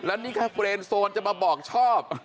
แล้วนี่แค่เฟรนโซนจะมาบอกชอบ